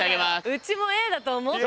うちもＡだと思った。